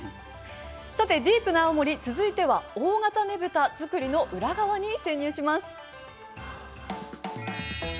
ディープな青森続いては大型ねぶた作りの裏側に潜入します。